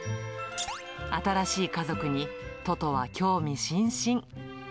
新しい家族にトトは興味津々。